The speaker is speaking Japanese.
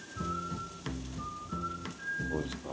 どうですか？